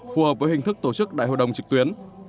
phù hợp với hình thức tổ chức đại hội đồng trực tuyến